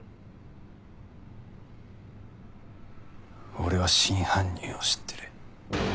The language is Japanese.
俺は真犯人を知ってる。